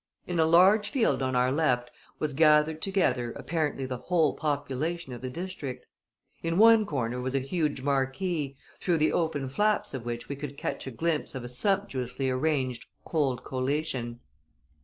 In a large field on our left was gathered together apparently the whole population of the district. In one corner was a huge marquee, through the open flaps of which we could catch a glimpse of a sumptuously arranged cold collation.